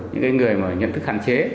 những người nhận thức hạn chế